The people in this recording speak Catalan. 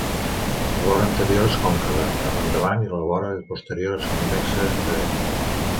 La vora anterior és còncava cap endavant i la vora posterior és convexa enrere.